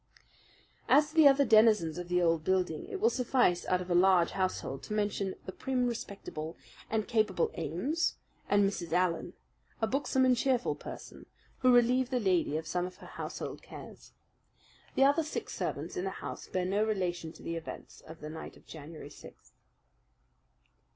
As to the other denizens of the old building, it will suffice out of a large household to mention the prim, respectable, and capable Ames, and Mrs. Allen, a buxom and cheerful person, who relieved the lady of some of her household cares. The other six servants in the house bear no relation to the events of the night of January 6th.